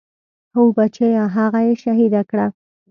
هو بچيه هغه يې شهيده کړه.